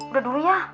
udah dulu ya